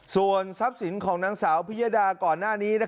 ส่วนทรัพย์สินของนางสาวพิยดาก่อนหน้านี้